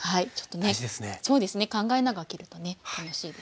そうですね考えながら切るとね楽しいですよ。